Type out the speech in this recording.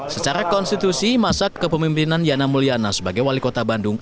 secara konstitusi masa kepemimpinan yana mulyana sebagai wali kota bandung